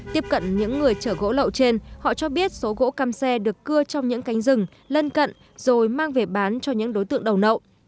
tiếp cận những người chở gỗ lậu trên họ cho biết số gỗ cam xe được cưa trong những cánh rừng lân cận rồi mang về bán cho những đối tượng đầu nậu